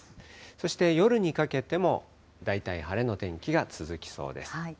そして夜にかけても、大体晴れの天気が続きそうです。